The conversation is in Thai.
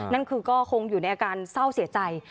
นั่นคือก็คงอยู่ในอาการเศร้าเสียใจ